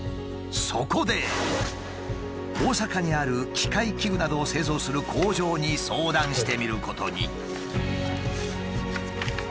そこで大阪にある機械器具などを製造する工場に相談してみることに。